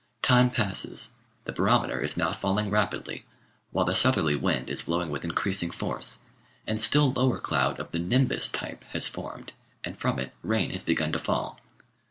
Time passes, the barometer is now falling rapidly, while the southerly wind is blowing with increasing force, and still lower cloud of the "nimbus" type has formed and from it rain has begun to fall.